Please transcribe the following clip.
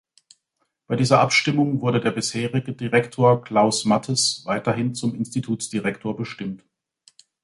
Bei dieser Abstimmung wurde der bisherige Direktor Klaus Matthes weiterhin zum Institutsdirektor bestimmt.